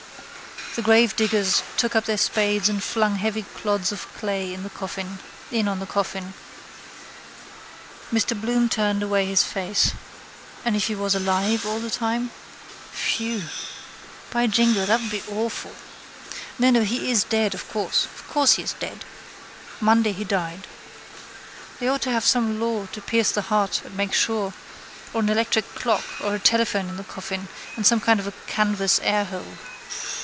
The gravediggers took up their spades and flung heavy clods of clay in on the coffin. Mr Bloom turned away his face. And if he was alive all the time? Whew! By jingo, that would be awful! No, no: he is dead, of course. Of course he is dead. Monday he died. They ought to have some law to pierce the heart and make sure or an electric clock or a telephone in the coffin and some kind of a canvas airhole.